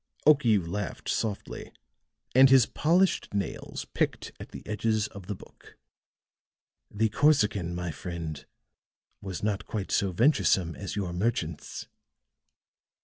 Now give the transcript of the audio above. Okiu laughed softly, and his polished nails picked at the edges of the book. "The Corsican, my friend, was not quite so venturesome as your merchants."